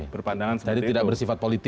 perpandangan seperti itu